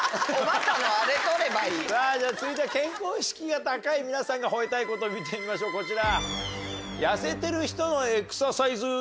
さぁじゃ続いては健康意識が高い皆さんが吠えたいこと見てみましょうこちら。